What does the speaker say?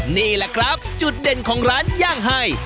นี่แหละครับจุดเด่นของร้านย่างไฮ